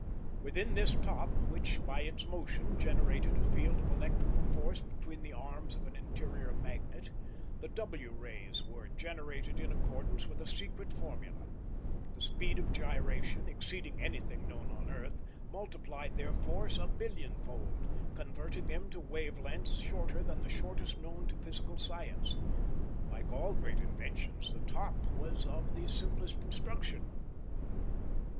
Within this top, which, by its motion, generated a field of electrical force between the arms of an interior magnet, the W rays were generated in accordance with a secret formula; the speed of gyration, exceeding anything known on earth, multiplied their force a billionfold, converting them to wave lengths shorter than the shortest known to physical science. Like all great inventions, the top was of the simplest construction.